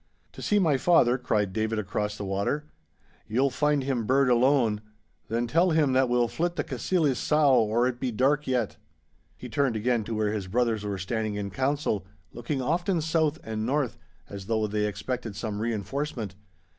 'To see my father?' cried David across the water. 'Ye'll find him bird alone. Then tell him that we'll flit the Cassillis sow or it be dark yet.' He turned again to where his brothers were standing in council, looking often south and north, as though they expected some reinforcement.